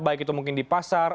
baik itu mungkin di pasar